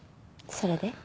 それで？